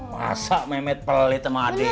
masa memet belit sama adik